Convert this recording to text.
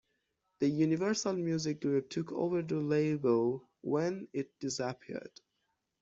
The Universal Music Group took over the label when it disappeared.